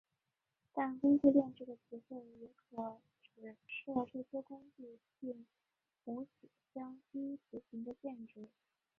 但工具链这个词汇也可指涉这些工具并无此相依执行的限制。